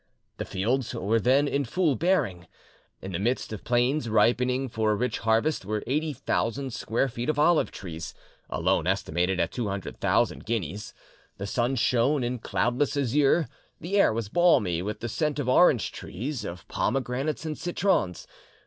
The fields were then in full bearing. In the midst of plains ripening for a rich harvest were 80,000 square feet of olive trees, alone estimated at two hundred thousand guineas. The sun shone in cloudless azure, the air was balmy with the scent of orange trees, of pomegranates and citrons.